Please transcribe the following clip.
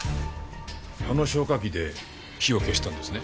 あの消火器で火を消したんですね？